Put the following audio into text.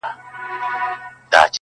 کابل منتر وهلی!